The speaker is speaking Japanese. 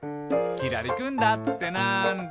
「きらりくんだってなんだ？」